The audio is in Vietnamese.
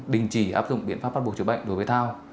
đình chỉ áp dụng biện pháp bắt buộc chữa bệnh đối với thao